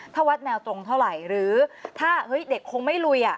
ถ้าวัดแนวตรงเท่าไหร่หรือถ้าเฮ้ยเด็กคงไม่ลุย